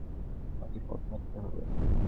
বাকি পথ হাটতে হবে?